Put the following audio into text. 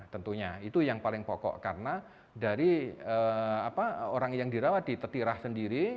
tentunya itu yang paling pokok karena dari orang yang dirawat di tetirah sendiri